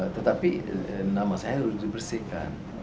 tetapi nama saya harus dibersihkan